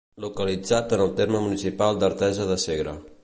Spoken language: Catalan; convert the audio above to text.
Localitzat en el terme municipal d'Artesa de Segre.